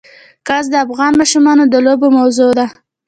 ګاز د افغان ماشومانو د لوبو موضوع ده.